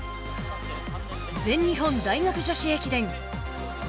全日本大学女子駅伝。